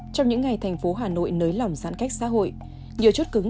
trong những ngày thành phố hà nội nới lỏng giãn cách xã hội nhiều chốt cứng